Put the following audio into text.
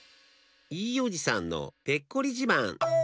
いいおじさんのペッコリじまん。